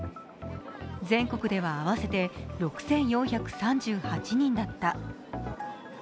全国では合わせて６４３８人だった。